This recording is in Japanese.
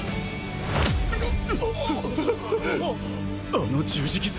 あの十字傷